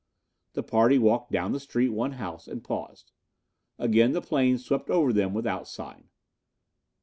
The party walked down the street one house and paused. Again the plane swept over them without sign.